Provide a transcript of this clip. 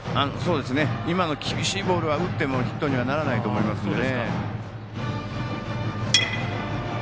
今の厳しいボールは打ってもヒットにならないと思いますんでね。